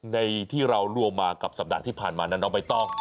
ในที่เรารวมมากับสัปดาห์ที่ผ่านมานะน้องใบตอง